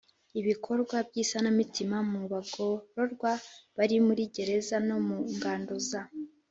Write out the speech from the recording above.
ibikorwa by isanamitima mu bagororwa bari muri gereza no mu ngando za